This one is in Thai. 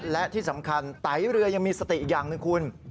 และที่สำคัญไตเรือยังมีสติอีกอย่างหนึ่งคุณ